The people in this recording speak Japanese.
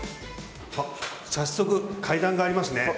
早速、階段がありますね。